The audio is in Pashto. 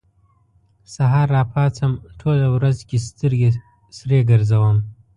سهار راپاڅم، ټوله ورځ کې سترګې سرې ګرځوم